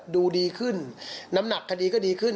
ดูดีขึ้นน้ำหนักคดีก็ดีขึ้น